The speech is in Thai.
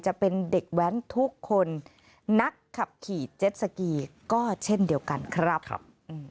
จะเป็นเด็กแว้นทุกคนนักขับขี่เจ็ดสกีก็เช่นเดียวกันครับ